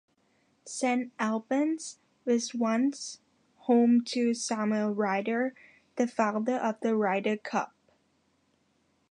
Saint Albans was once home to Samuel Ryder, the founder of the Ryder cup.